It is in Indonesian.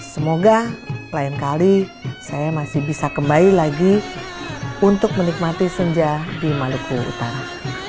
semoga lain kali saya masih bisa kembali lagi untuk menikmati senja di maluku utara